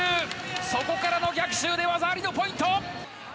そこからの逆襲で、技ありのポイ